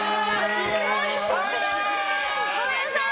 ごめんなさい！